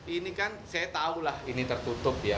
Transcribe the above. ini kan saya tahulah ini tertutup ya